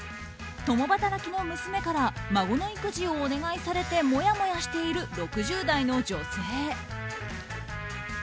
共働きの娘から孫の育児をお願いされてもやもやしている６０代の女性。